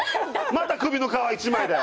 また首の皮一枚で。